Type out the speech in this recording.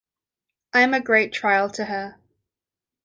I’m a great trial to her.